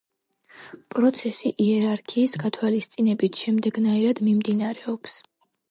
პროცესი იერარქიის გათვალისწინებით შემდეგნაირად მიმდინარეობს.